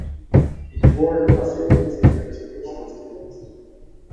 He toured the facilities and gave a speech to students.